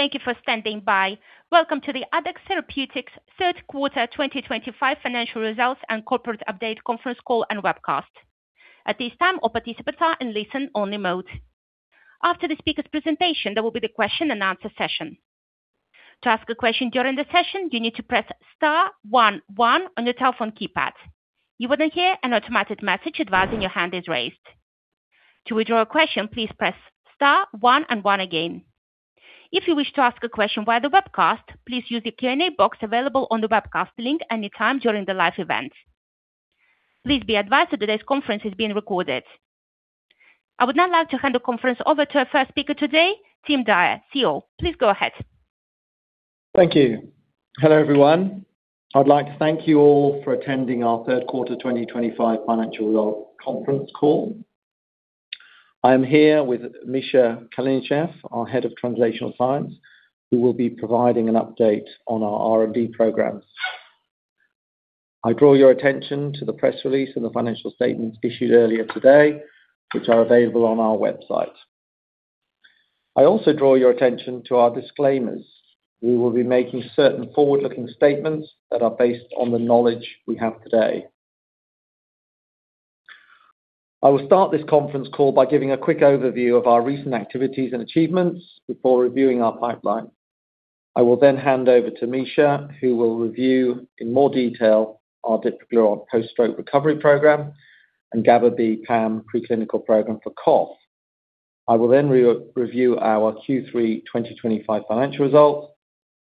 Thank you for standing by. Welcome to the Addex Therapeutics Third Quarter 2025 Financial Results and Corporate Update conference call and webcast. At this time, all participants are in listen-only mode. After the speaker's presentation, there will be the question-and-answer session. To ask a question during the session, you need to press star one one on your telephone keypad. You will then hear an automated message advising your hand is raised. To withdraw a question, please press star one one again. If you wish to ask a question via the webcast, please use the Q&A box available on the webcast link anytime during the live event. Please be advised that today's conference is being recorded. I would now like to hand the conference over to our first speaker today, Tim Dyer, CEO. Please go ahead. Thank you. Hello, everyone. I'd like to thank you all for attending our third quarter 2025 financial result conference call. I am here with Mikhail Kalinichev, our Head of Translational Science, who will be providing an update on our R&D programs. I draw your attention to the press release and the financial statements issued earlier today, which are available on our website. I also draw your attention to our disclaimers. We will be making certain forward-looking statements that are based on the knowledge we have today. I will start this conference call by giving a quick overview of our recent activities and achievements before reviewing our pipeline. I will then hand over to Mikhail, who will review in more detail our Dipraglurant Post-Stroke Recovery Program and GABAB PAM Preclinical Program for Cough. I will then review our Q3 2025 financial results.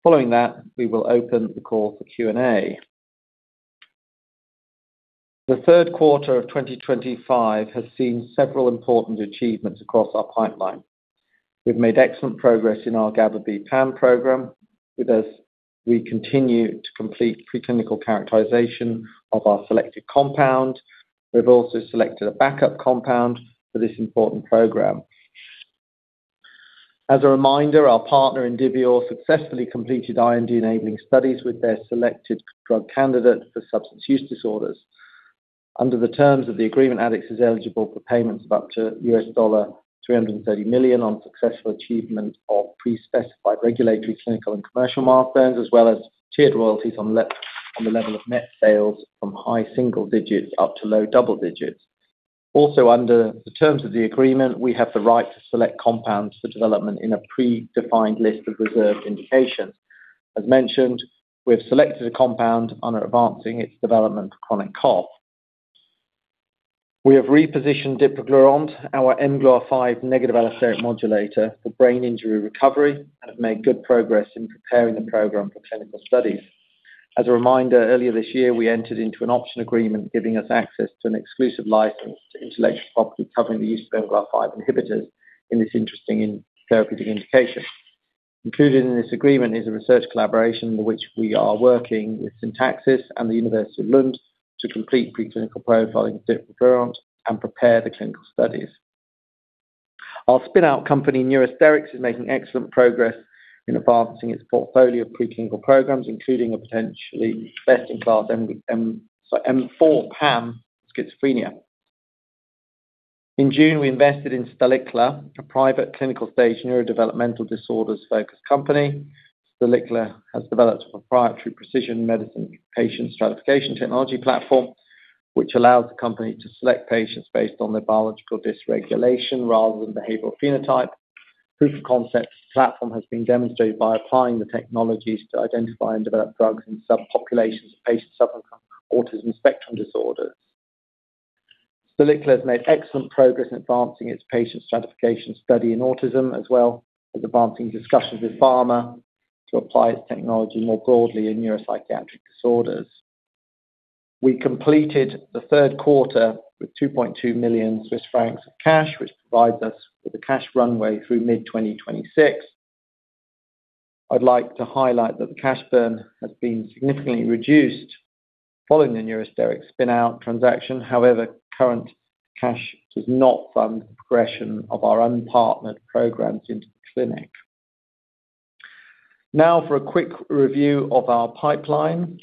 Following that, we will open the call for Q&A. The third quarter of 2025 has seen several important achievements across our pipeline. We've made excellent progress in our GABAB PAM program. With this, we continue to complete preclinical characterization of our selected compound. We've also selected a backup compound for this important program. As a reminder, our partner Indivior successfully completed IND-enabling studies with their selected drug candidate for substance use disorders. Under the terms of the agreement, Addex is eligible for payments of up to $330 million on successful achievement of these specified regulatory clinical and commercial milestones, as well as tiered royalties on the level of net sales from high single-digits up to low double digits. Also, under the terms of the agreement, we have the right to select compounds for development in a predefined list of reserve indications. As mentioned, we have selected a compound for advancing its development for chronic cough. We have repositioned Dipraglurant, our mGluR5 negative allosteric modulator for brain injury recovery, and have made good progress in preparing the program for clinical studies. As a reminder, earlier this year, we entered into an option agreement giving us access to an exclusive license to intellectual property covering the use of mGluR5 inhibitors in this interesting therapeutic indication. Included in this agreement is a research collaboration for which we are working with Neurosterix and Lund University to complete preclinical profiling of Dipraglurant and prepare the clinical studies. Our spin-out company, Neurosterix, is making excellent progress in advancing its portfolio of preclinical programs, including a potentially best-in-class M4 PAM schizophrenia. In June, we invested in Stalicla, a private clinical-stage neurodevelopmental disorders focused company. Stalicla has developed a proprietary precision medicine patient stratification technology platform, which allows the company to select patients based on their biological dysregulation rather than behavioral phenotype. Proof of concept platform has been demonstrated by applying the technologies to identify and develop drugs in subpopulations of patients suffering from autism spectrum disorders. Stalicla has made excellent progress in advancing its patient stratification study in autism, as well as advancing discussions with pharma to apply its technology more broadly in neuropsychiatric disorders. We completed the third quarter with 2.2 million Swiss francs of cash, which provides us with a cash runway through mid-2026. I'd like to highlight that the cash burn has been significantly reduced following the Neurosterix spin-out transaction. However, current cash does not fund the progression of our unpartnered programs into the clinic. Now, for a quick review of our pipeline,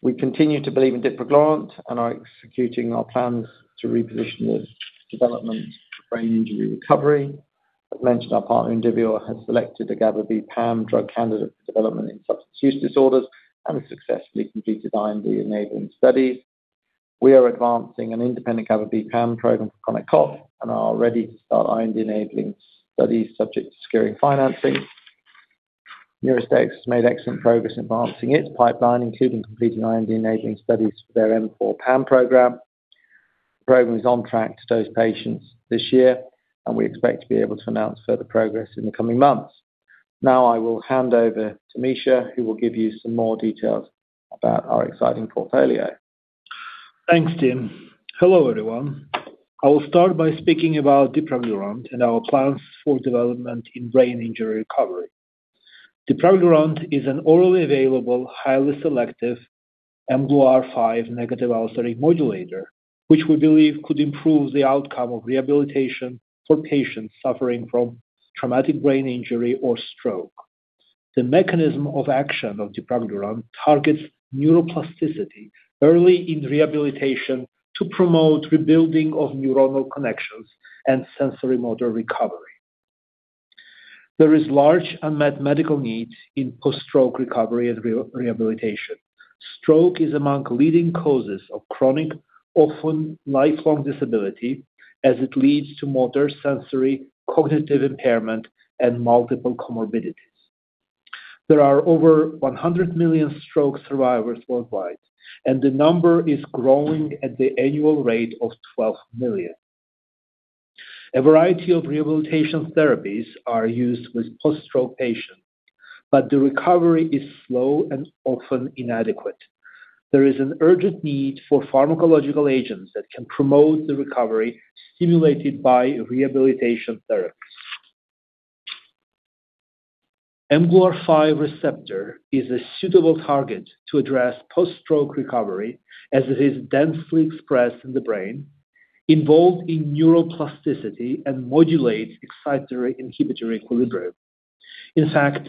we continue to believe in Dipraglurant and are executing our plans to reposition the development of brain injury recovery. As mentioned, our partner Indivior has selected a GABAB PAM drug candidate for development in substance use disorders and has successfully completed IND-enabling studies. We are advancing an independent GABAB PAM program for chronic cough and are ready to start IND-enabling studies subject to securing financing. Neurosterix has made excellent progress in advancing its pipeline, including completing IND-enabling studies for their M4 PAM program. The program is on track to dose patients this year, and we expect to be able to announce further progress in the coming months. Now, I will hand over to Mikhail, who will give you some more details about our exciting portfolio. Thanks, Tim. Hello, everyone. I will start by speaking about Dipraglurant and our plans for development in brain injury recovery. Dipraglurant is an orally available, highly selective mGluR5 negative allosteric modulator, which we believe could improve the outcome of rehabilitation for patients suffering from traumatic brain injury or stroke. The mechanism of action of Dipraglurant targets neuroplasticity early in rehabilitation to promote rebuilding of neuronal connections and sensorimotor recovery. There is large unmet medical needs in post-stroke recovery and rehabilitation. Stroke is among the leading causes of chronic, often lifelong disability, as it leads to motor sensory cognitive impairment and multiple comorbidities. There are over 100 million stroke survivors worldwide, and the number is growing at the annual rate of 12 million. A variety of rehabilitation therapies are used with post-stroke patients, but the recovery is slow and often inadequate. There is an urgent need for pharmacological agents that can promote the recovery stimulated by rehabilitation therapies. mGluR5 receptor is a suitable target to address post-stroke recovery, as it is densely expressed in the brain, involved in neuroplasticity and modulates excitatory inhibitor equilibrium. In fact,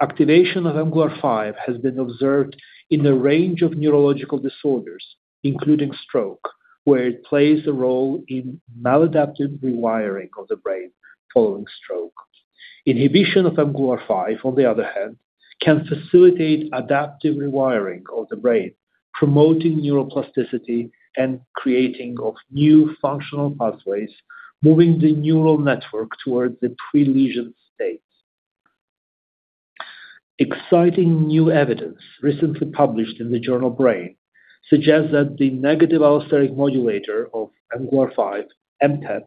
activation of mGluR5 has been observed in a range of neurological disorders, including stroke, where it plays a role in maladaptive rewiring of the brain following stroke. Inhibition of mGluR5, on the other hand, can facilitate adaptive rewiring of the brain, promoting neuroplasticity and creating new functional pathways, moving the neural network toward the pre-lesion states. Exciting new evidence recently published in the journal Brain suggests that the negative allosteric modulator of mGluR5, MTEP,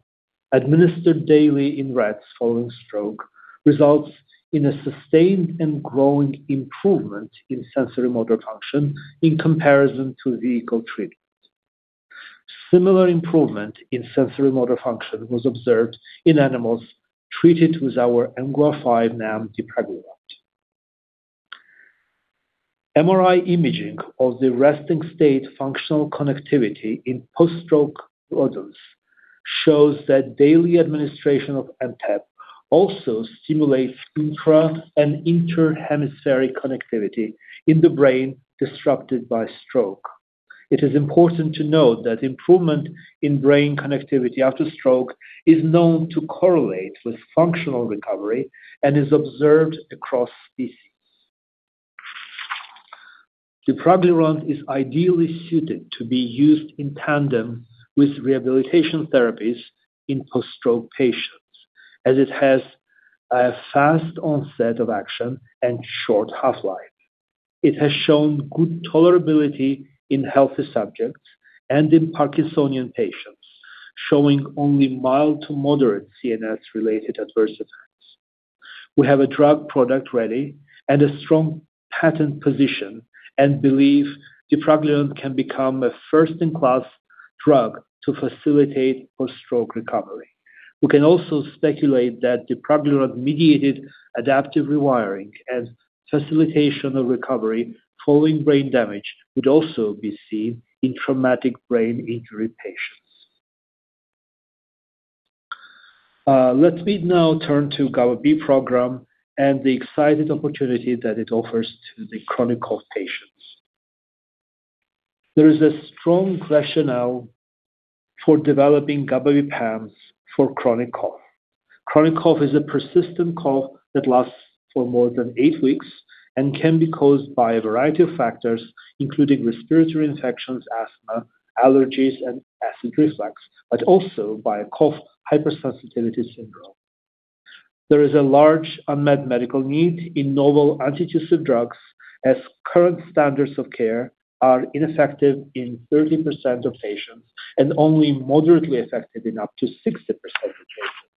administered daily in rats following stroke results in a sustained and growing improvement in sensorimotor function in comparison to vehicle treatment. Similar improvement in sensorimotor function was observed in animals treated with our mGluR5 NAM Dipraglurant. MRI imaging of the resting state functional connectivity in post-stroke rodents shows that daily administration of MTEP also stimulates intra and interhemispheric connectivity in the brain disrupted by stroke. It is important to note that improvement in brain connectivity after stroke is known to correlate with functional recovery and is observed across species. Dipraglurant is ideally suited to be used in tandem with rehabilitation therapies in post-stroke patients, as it has a fast onset of action and short half-life. It has shown good tolerability in healthy subjects and in Parkinsonian patients, showing only mild to moderate CNS-related adverse effects. We have a drug product ready and a strong patent position and believe Dipraglurant can become a first-in-class drug to facilitate post-stroke recovery. We can also speculate that Dipraglurant-mediated adaptive rewiring and facilitation of recovery following brain damage would also be seen in traumatic brain injury patients. Let me now turn to GABAB program and the exciting opportunity that it offers to the chronic cough patients. There is a strong rationale for developing GABAB PAMs for chronic cough. Chronic cough is a persistent cough that lasts for more than eight weeks and can be caused by a variety of factors, including respiratory infections, asthma, allergies, and acid reflux, but also by a cough hypersensitivity syndrome. There is a large unmet medical need in novel anti-tussive drugs, as current standards of care are ineffective in 30% of patients and only moderately effective in up to 60% of cases.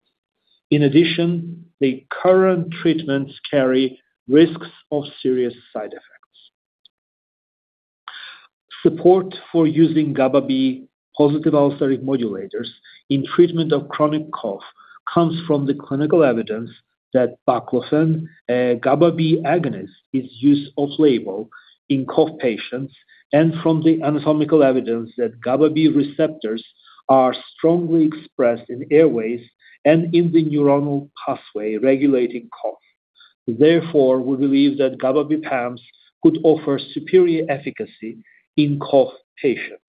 In addition, the current treatments carry risks of serious side effects. Support for using GABAB. Positive allosteric modulators in treatment of chronic cough comes from the clinical evidence that Baclofen, a GABAB agonist, is used off-label in cough patients and from the anatomical evidence that GABAB receptors are strongly expressed in airways and in the neuronal pathway regulating cough. Therefore, we believe that GABAB PAMs could offer superior efficacy in cough patients.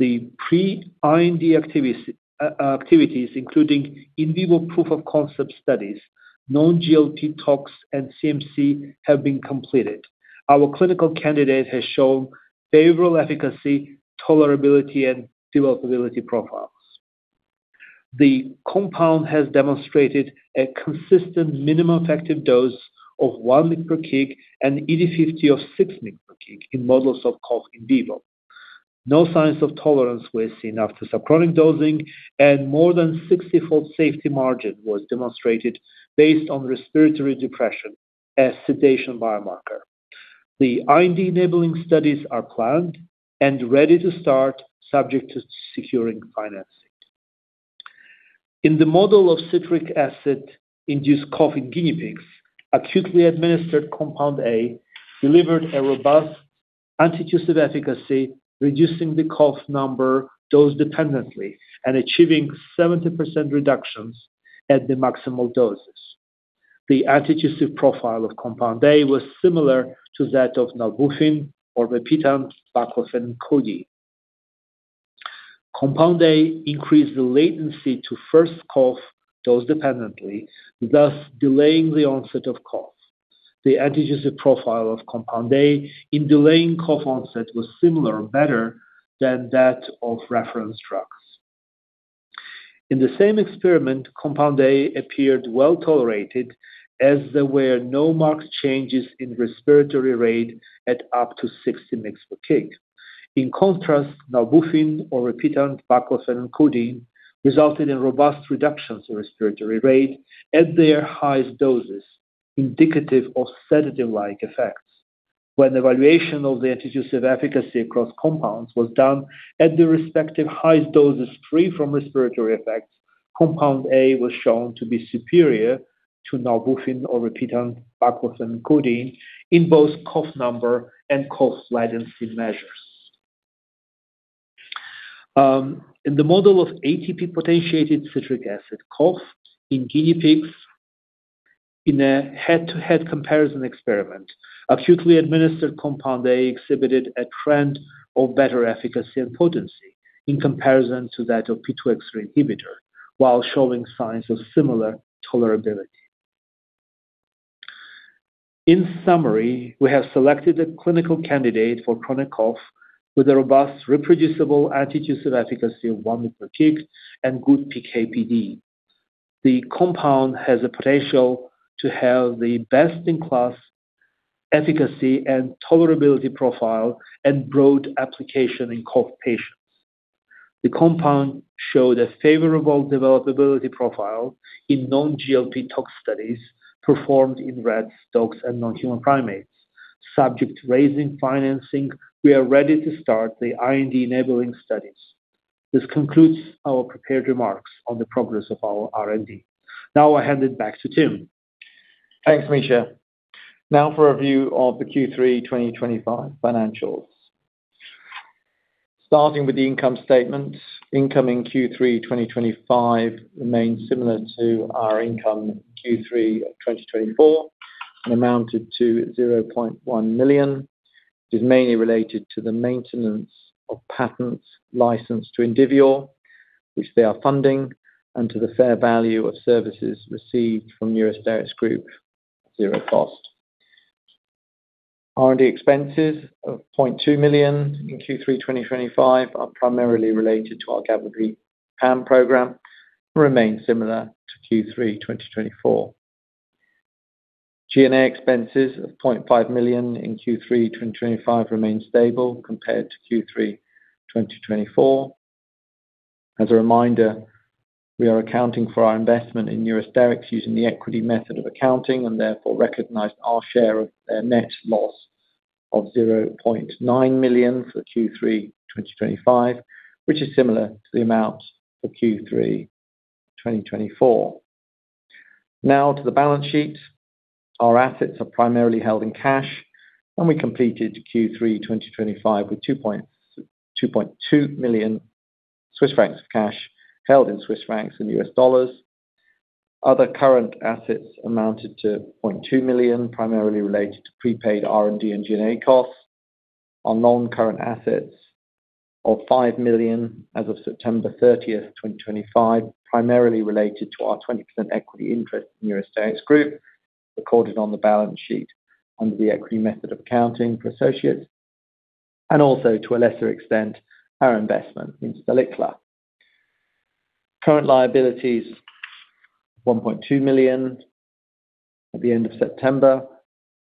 The three IND activities, including in vivo proof of concept studies, known GLP tox, and CMC, have been completed. Our clinical candidate has shown favorable efficacy, tolerability, and developability profiles. The compound has demonstrated a consistent minimum effective dose of one microgram and ED50 of six micrograms in models of cough in vivo. No signs of tolerance were seen after sub-chronic dosing, and more than 60-fold safety margin was demonstrated based on respiratory depression as sedation biomarker. The IND-enabling studies are planned and ready to start, subject to securing financing. In the model of citric acid-induced coughing guinea pigs, acutely administered compound A delivered a robust anti-tussive efficacy, reducing the cough number dose-dependently and achieving 70% reductions at the maximal doses. The anti-tussive profile of compound A was similar to that of Nalbuphine, Orvepitant, Baclofen, and Codeine. Compound A increased the latency to first cough dose-dependently, thus delaying the onset of cough. The anti-tussive profile of compound A in delaying cough onset was similar or better than that of reference drugs. In the same experiment, compound A appeared well tolerated, as there were no marked changes in respiratory rate at up to 60 micrograms. In contrast, Nalbuphine, Orvepitant, Baclofen, and Codeine resulted in robust reductions in respiratory rate at their highest doses, indicative of sedative-like effects. When evaluation of the anti-tussive efficacy across compounds was done at the respective highest doses free from respiratory effects, Compound A was shown to be superior to Nalbuphine, Orvepitant, Baclofen, and Codeine in both cough number and cough latency measures. In the model of ATP-potentiated citric acid cough in guinea pigs, in a head-to-head comparison experiment, acutely administered Compound A exhibited a trend of better efficacy and potency in comparison to that of P2X3 inhibitor, while showing signs of similar tolerability. In summary, we have selected a clinical candidate for chronic cough with a robust reproducible anti-tussive efficacy of one microchick and good PKPD. The compound has the potential to have the best-in-class efficacy and tolerability profile and broad application in cough patients. The compound showed a favorable developability profile in non-GLP tox studies performed in rats, dogs, and non-human primates. Subject to raising financing, we are ready to start the IND-enabling studies. This concludes our prepared remarks on the progress of our R&D. Now, I'll hand it back to Tim. Thanks, Misha. Now, for a review of the Q3 2025 financials. Starting with the income statement, income in Q3 2025 remains similar to our income Q3 2024 and amounted to 0.1 million. It is mainly related to the maintenance of patent license to Indivior, which they are funding, and to the fair value of services received from Neurosterix, zero cost. R&D expenses of 0.2 million in Q3 2025 are primarily related to our GABAB PAM program and remain similar to Q3 2024. G&A expenses of 0.5 million in Q3 2025 remain stable compared to Q3 2024. As a reminder, we are accounting for our investment in Neurosterix using the equity method of accounting and therefore recognize our share of their net loss of 0.9 million for Q3 2025, which is similar to the amount for Q3 2024. Now, to the balance sheet. Our assets are primarily held in cash, and we completed Q3 2025 with 2.2 million Swiss francs of cash held in Swiss francs and US dollars. Other current assets amounted to 0.2 million, primarily related to prepaid R&D and G&A costs. Our non-current assets of 5 million as of September 30, 2025, primarily related to our 20% equity interest in Neurosterix Group, recorded on the balance sheet under the equity method of accounting for associates, and also, to a lesser extent, our investment in Stalicla. Current liabilities 1.2 million at the end of September,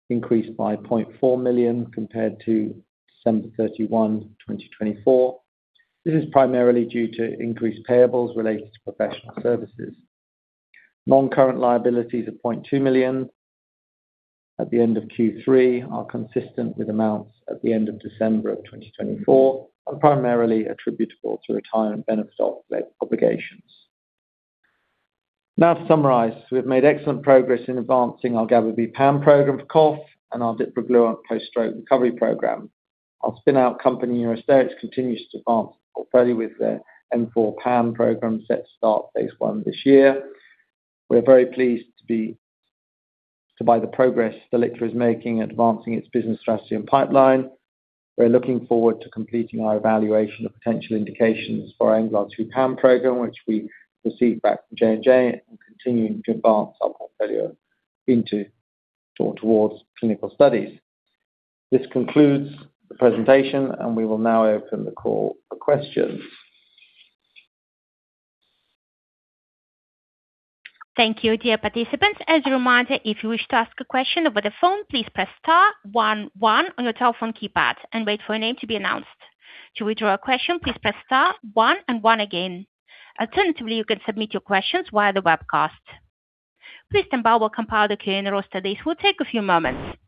increased by 0.4 million compared to December 31, 2024. This is primarily due to increased payables related to professional services. Non-current liabilities of 0.2 million at the end of Q3 are consistent with amounts at the end of December of 2024 and primarily attributable to retirement benefit obligations. Now, to summarize, we've made excellent progress in advancing our GABAB PAM program for cough and our Dipraglurant post-stroke recovery program. Our spin-out company, Neurosterix, continues to advance the portfolio with their M4 PAM program set to start phase one this year. We're very pleased to be able to see the progress Stalicla is making at advancing its business strategy and pipeline. We're looking forward to completing our evaluation of potential indications for our mGluR2 PAM program, which we received back from J&J, and continuing to advance our portfolio towards clinical studies. This concludes the presentation, and we will now open the call for questions. Thank you, dear participants. As a reminder, if you wish to ask a question over the phone, please press star one one on your telephone keypad and wait for your name to be announced. To withdraw a question, please press star one and one again. Alternatively, you can submit your questions via the webcast. Kristen Baum will compile the Q&A in a row, so this will take a few moments,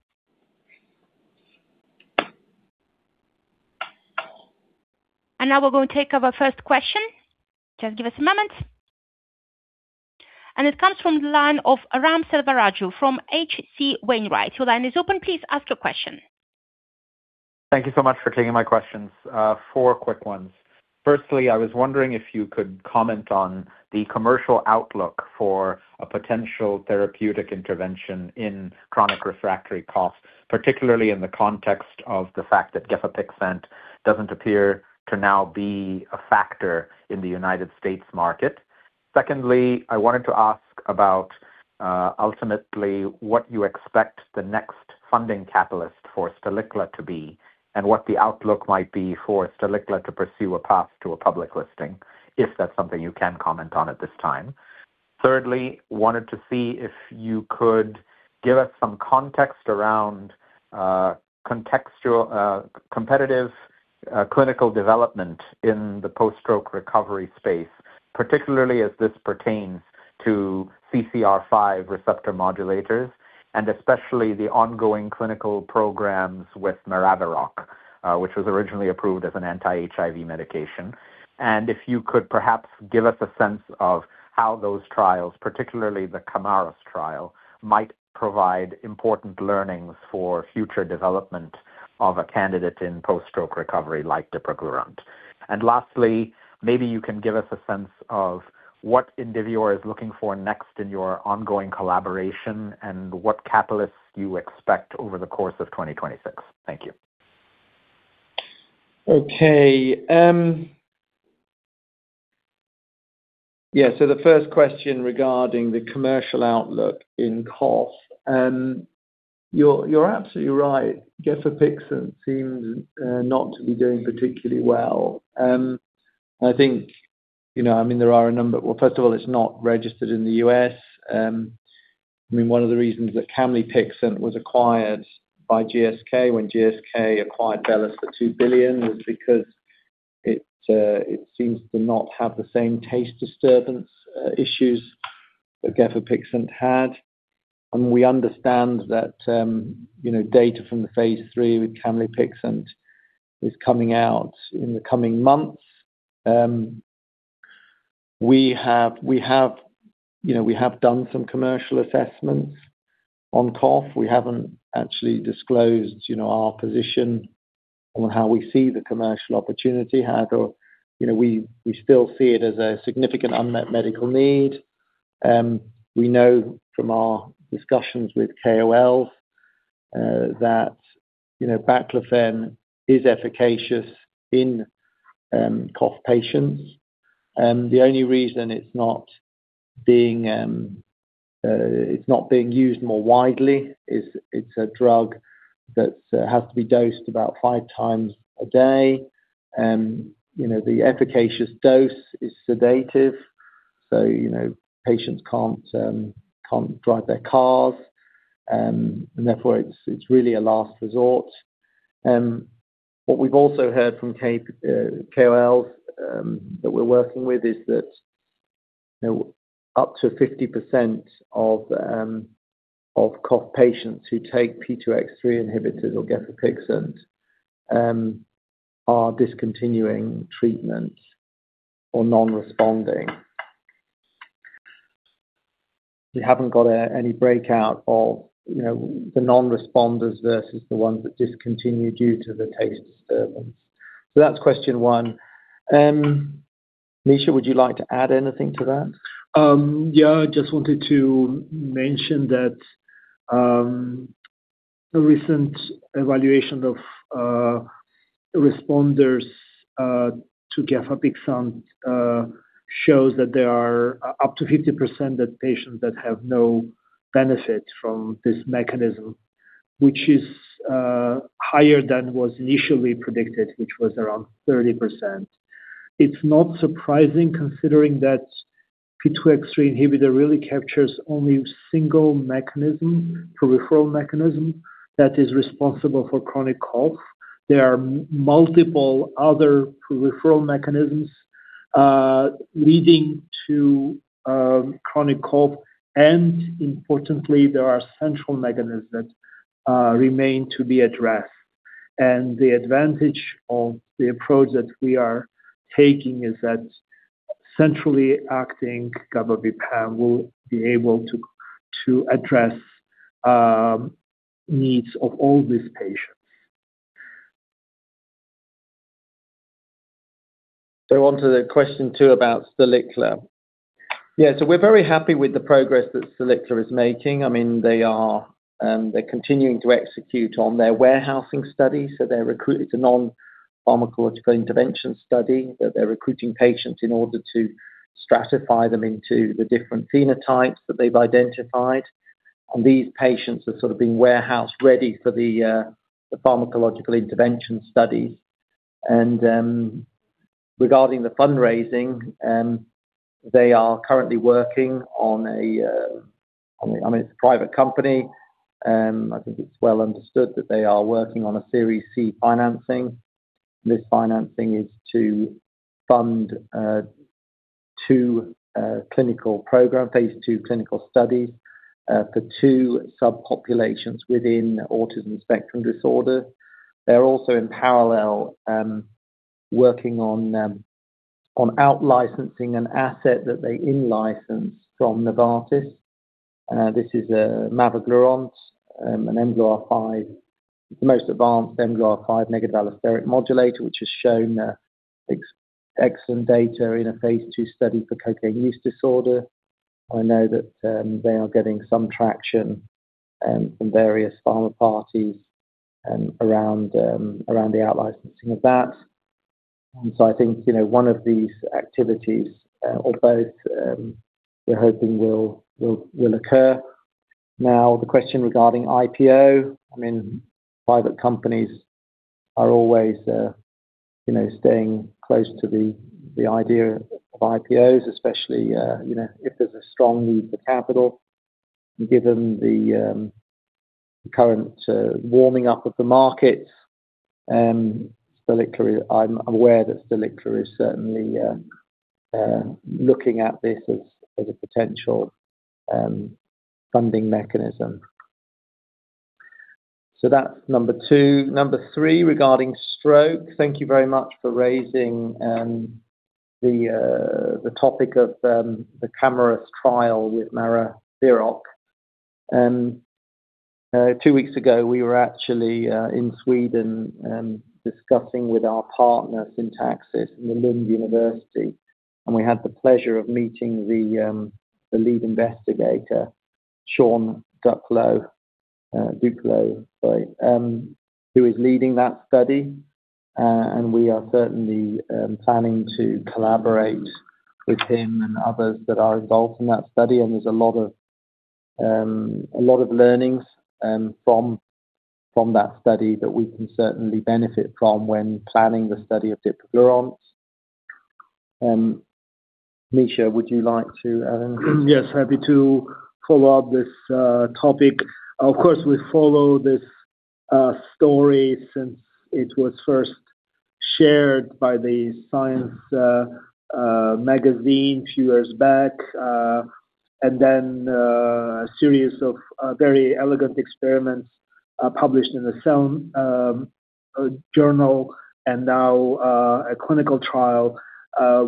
and now we're going to take our first question. Just give us a moment, and it comes from the line of Ram Selvaraju from H.C. Wainwright. Your line is open. Please ask your question. Thank you so much for taking my questions. Four quick ones. Firstly, I was wondering if you could comment on the commercial outlook for a potential therapeutic intervention in chronic refractory cough, particularly in the context of the fact that Gefapixant doesn't appear to now be a factor in the United States market. Secondly, I wanted to ask about ultimately what you expect the next funding catalyst for Stalicla to be and what the outlook might be for Stalicla to pursue a path to a public listing, if that's something you can comment on at this time. Thirdly, I wanted to see if you could give us some context around competitive clinical development in the post-stroke recovery space, particularly as this pertains to CCR5 receptor modulators and especially the ongoing clinical programs with Maraviroc, which was originally approved as an anti-HIV medication. And if you could perhaps give us a sense of how those trials, particularly the Camaros trial, might provide important learnings for future development of a candidate in post-stroke recovery like Dipraglurant. And lastly, maybe you can give us a sense of what Indivior is looking for next in your ongoing collaboration and what catalysts you expect over the course of 2026. Thank you. Okay. Yeah, so the first question regarding the commercial outlook in cough, you're absolutely right. Gefapixant seems not to be doing particularly well. I think, I mean, there are a number, well, first of all, it's not registered in the U.S. I mean, one of the reasons that Camlipixant was acquired by GSK when GSK acquired Bellus for $2 billion was because it seems to not have the same taste disturbance issues that Gefapixant had, and we understand that data from the phase three with Camlipixant is coming out in the coming months. We have done some commercial assessments on cough. We haven't actually disclosed our position on how we see the commercial opportunity, how we still see it as a significant unmet medical need. We know from our discussions with KOL that Baclofen is efficacious in cough patients. The only reason it's not being used more widely is it's a drug that has to be dosed about five times a day. The efficacious dose is sedative, so patients can't drive their cars, and therefore, it's really a last resort. What we've also heard from KOLs that we're working with is that up to 50% of cough patients who take P2X3 inhibitors or Gefapixant are discontinuing treatments or non-responding. We haven't got any breakdown of the non-responders versus the ones that discontinue due to the taste disturbance, so that's question one. Mikhail, would you like to add anything to that? Yeah, I just wanted to mention that a recent evaluation of responders to Gefapixant shows that there are up to 50% of patients that have no benefit from this mechanism, which is higher than was initially predicted, which was around 30%. It's not surprising considering that P2X3 inhibitor really captures only a single mechanism, peripheral mechanism, that is responsible for chronic cough. There are multiple other peripheral mechanisms leading to chronic cough. And importantly, there are central mechanisms that remain to be addressed. And the advantage of the approach that we are taking is that centrally acting GABAB PAM will be able to address the needs of all these patients. wanted to ask a question too about Stalicla. Yeah, so we're very happy with the progress that Stalicla is making. I mean, they are continuing to execute on their washout study. They're recruiting a non-pharmacological intervention study that they're recruiting patients in order to stratify them into the different phenotypes that they've identified. And these patients have sort of been washout ready for the pharmacological intervention study. And regarding the fundraising, they are currently working on a. I mean, it's a private company. I think it's well understood that they are working on a Series C financing. This financing is to fund two clinical programs, phase two clinical studies for two subpopulations within Autism Spectrum Disorder. They're also in parallel working on out-licensing an asset that they in-licensed from Novartis. This is a Mavoglurant, an mGluR5, the most advanced mGluR5 negative allosteric modulator, which has shown excellent data in a phase two study for cocaine use disorder. I know that they are getting some traction in various pharma partners around the out-licensing of that. So I think one of these activities, or both, we're hoping will occur. Now, the question regarding IPO, I mean, private companies are always staying close to the idea of IPOs, especially if there's a strong need for capital. Given the current warming up of the markets, I'm aware that Stalicla is certainly looking at this as a potential funding mechanism. that's number two. Number three, regarding stroke, thank you very much for raising the topic of the Camaros trial with Maraviroc. Two weeks ago, we were actually in Sweden discussing with our partners, the scientists, in Lund University. We had the pleasure of meeting the lead investigator, Sean Duclos, who is leading that study. We are certainly planning to collaborate with him and others that are involved in that study. There's a lot of learnings from that study that we can certainly benefit from when planning the study of Dipraglurant. Mikhail, would you like to add anything? Yes, happy to follow up this topic. Of course, we follow these stories. And it was first shared by the Science magazine a few years back, and then a series of very elegant experiments published in the Cell journal, and now a clinical trial.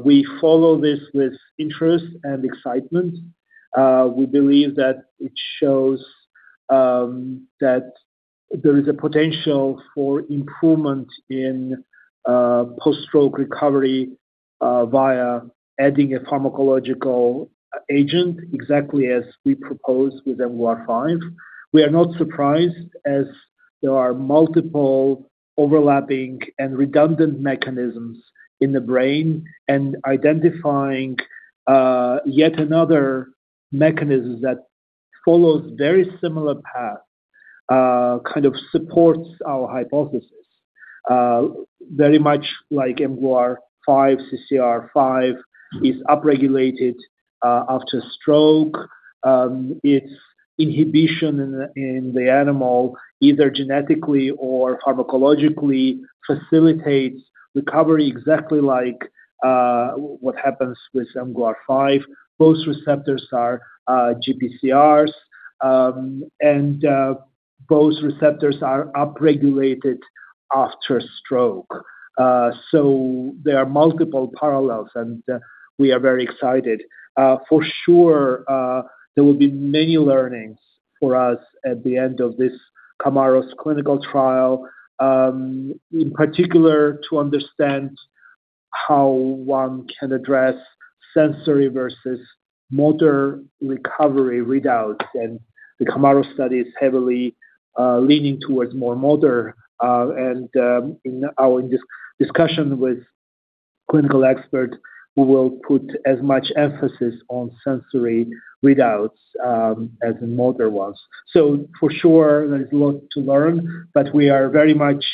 We follow this with interest and excitement. We believe that it shows that there is a potential for improvement in post-stroke recovery via adding a pharmacological agent, exactly as we propose with mGluR5. We are not surprised as there are multiple overlapping and redundant mechanisms in the brain and identifying yet another mechanism that follows a very similar path, kind of supports our hypothesis. Very much like mGluR5, CCR5 is upregulated after stroke. Its inhibition in the animal, either genetically or pharmacologically, facilitates recovery exactly like what happens with mGluR5. Both receptors are GPCRs, and both receptors are upregulated after stroke. There are multiple parallels, and we are very excited. For sure, there will be many learnings for us at the end of this CAMAROS clinical trial, in particular to understand how one can address sensory versus motor recovery readouts. And the Camaros study is heavily leaning towards more motor. And in our discussion with clinical experts, we will put as much emphasis on sensory readouts as in motor ones. So for sure, there's a lot to learn, but we are very much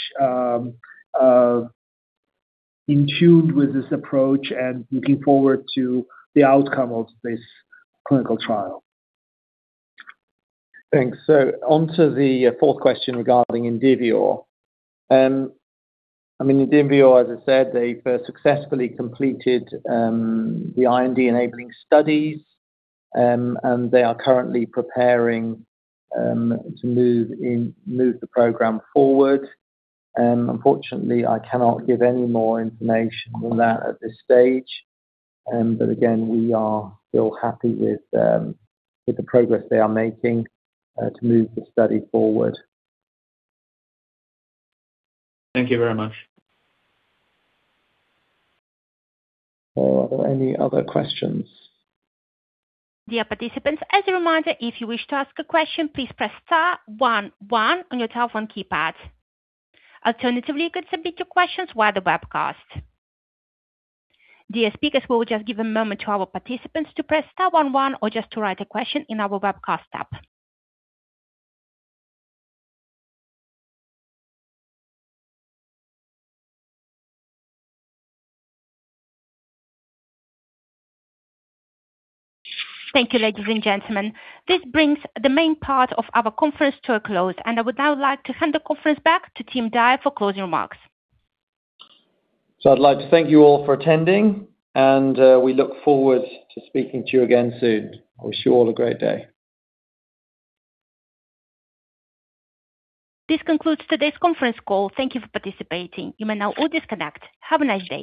in tune with this approach and looking forward to the outcome of this clinical trial. Thanks. On to the fourth question regarding Indivior. I mean, Indivior, as I said, they first successfully completed the IND-enabling studies, and they are currently preparing to move the program forward. Unfortunately, I cannot give any more information on that at this stage. But again, we are happy with the progress they are making to move the study forward. Thank you very much. Any other questions? Dear participants, as a reminder, if you wish to ask a question, please press Star 11 on your telephone keypad. Alternatively, you could submit your questions via the webcast. Dear speakers, we will just give a moment to our participants to press Star 11 or just to write a question in our webcast app. Thank you, ladies and gentlemen. This brings the main part of our conference to a close, and I would now like to hand the conference back to Tim Dyer for closing remarks. So I'd like to thank you all for attending, and we look forward to speaking to you again soon. I wish you all a great day. This concludes today's conference call. Thank you for participating. You may now all disconnect. Have a nice day.